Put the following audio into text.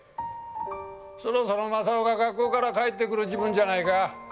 そろそろ正雄が学校から帰ってくる時分じゃないか？